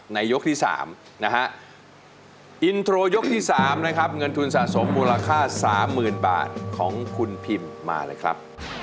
ยกที่๓นะฮะอินโทรยกที่๓นะครับเงินทุนสะสมมูลค่า๓๐๐๐บาทของคุณพิมมาเลยครับ